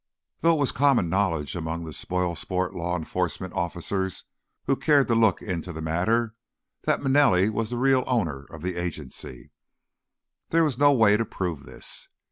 Though it was common knowledge among the spoil sport law enforcement officers who cared to look into the matter that Manelli was the real owner of the agency, there was no way to prove this.